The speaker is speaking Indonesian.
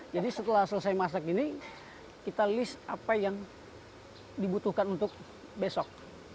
jadi setelah selesai masak ini kita list apa yang dibutuhkan untuk besok